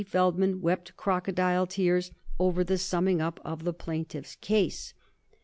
Feldman wept crocodile tears over the summing up of the plaintiff's case.